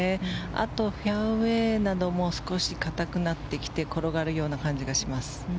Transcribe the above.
あと、フェアウェーなども少し硬くなってきて転がるような感じがします。